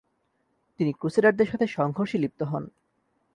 তিনি ক্রুসেডারদের সাথে সংঘর্ষে লিপ্ত হন।